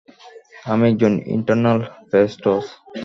আমি একজন ইটারনাল, ফ্যাসটস।